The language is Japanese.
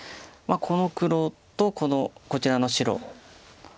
この黒とこちらの白の。